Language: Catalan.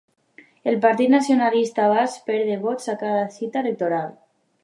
El Partit Nacionalista Basc perd vots a cada cita electoral